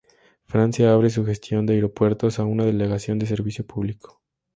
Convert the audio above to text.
Francia abre su gestión de aeropuertos a una delegación de servicio público.